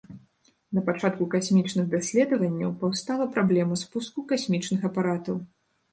Напачатку касмічных даследаванняў паўстала праблема спуску касмічных апаратаў.